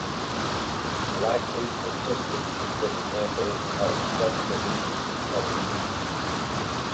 Lactase persistence is an example of such recent evolution.